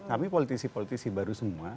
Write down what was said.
tapi politisi politisi baru semua